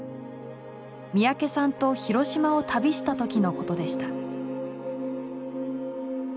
三宅さんと広島を旅したときのことでした。